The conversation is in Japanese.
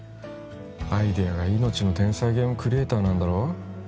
アイデアが命の天才ゲームクリエイターなんだろ？